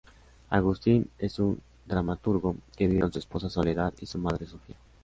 Agustín es un dramaturgo que vive con su esposa Soledad y su madre Sofía.